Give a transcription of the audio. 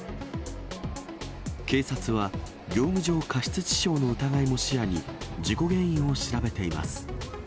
警察は、業務上過失致傷の疑いも視野に、事故原因を調べています。